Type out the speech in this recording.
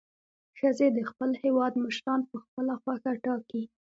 ښځې د خپل هیواد مشران په خپله خوښه ټاکي.